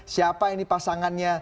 siapa ini pasangannya